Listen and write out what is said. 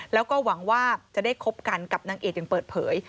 แล้วก็หวังว่าจะได้คบกันกับนางเอกอย่างเปิดเผย